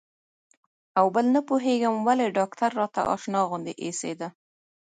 او بل نه پوهېږم ولې ډاکتر راته اشنا غوندې اېسېده.